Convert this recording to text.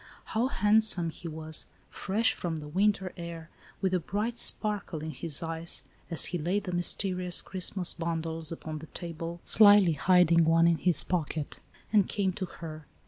How handsome he was, fresh from the winter air, with a bright sparkle in his eyes, as he laid the mysterious Christmas bundles upon the table, slyly hiding one in his pocket, and came to her.